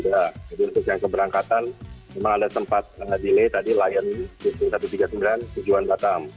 jadi untuk yang keberangkatan memang ada sempat delay lion di situ satu ratus tiga puluh sembilan tujuan batam